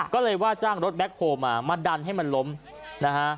ก็เลยว่าจ้างรถแบ็คโฮลมามาดันให้มันล้มนะฮะ